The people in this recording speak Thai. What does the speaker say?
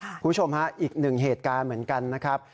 คุณผู้ชมฮะอีกหนึ่งเหตุการณ์เหมือนกันนะครับ